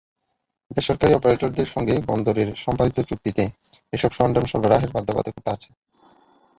বেসরকারি অপারেটরদের সঙ্গে বন্দরের সম্পাদিত চুক্তিতে এসব সরঞ্জাম সরবরাহের বাধ্যবাধকতা আছে।